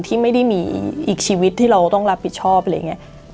ที่ไม่ได้มีอีกชีวิตที่เราต้องรับผิดชอบอะไรอย่างนี้